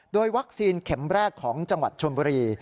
โดยวัคซีนเข็มแรกของจังหวัดชนบุรี